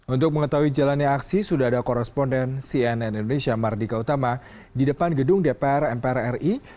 untuk mengetahui jalannya aksi sudah ada koresponden cnn indonesia mardika utama di depan gedung dpr mpr ri